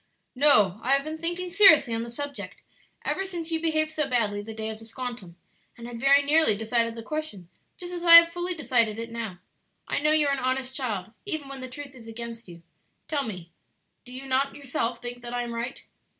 "No; I have been thinking seriously on the subject ever since you behaved so badly the day of the 'squantum,' and had very nearly decided the question just as I have fully decided it now. I know you are an honest child, even when the truth is against you; tell me, do you not yourself think that I am right?"